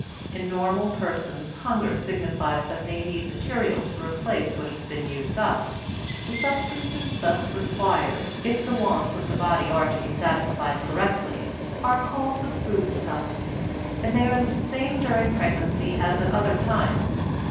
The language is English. In normal persons hunger signifies that they need material to replace what has been used up. The substances thus required, if the wants of the body are to be satisfied correctly, are called the food stuffs; and they are the same during pregnancy as at other times.